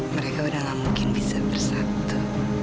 mereka udah gak mungkin bisa bersatu